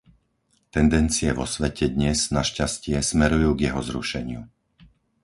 Tendencie vo svete dnes, našťastie, smerujú k jeho zrušeniu.